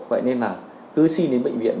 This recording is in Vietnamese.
vậy nên là cứ xin đến bệnh viện